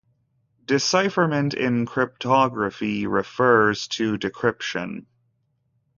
Decipherment in cryptography refers to decryption.